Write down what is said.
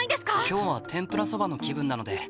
今日は天ぷらそばの気分なので。